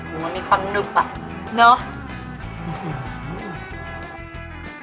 มันมีความนุ่มป่ะเนอะ